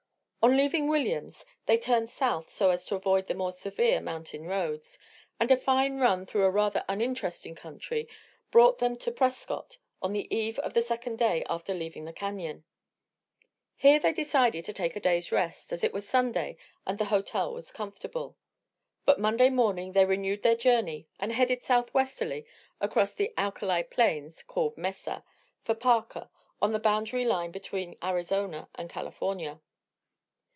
On leaving Williams they turned south so as to avoid the more severe mountain roads, and a fine run through a rather uninteresting country brought them to Prescott on the eve of the second day after leaving the Canyon. Here they decided to take a day's rest, as it was Sunday and the hotel was comfortable; but Monday morning they renewed their journey and headed southwesterly across the alkali plains called "mesa" for Parker, on the boundary line between Arizona and California.